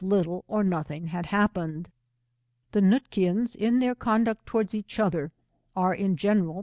little or nothing had happened. The Nootkians in their conduct towards each other, are in general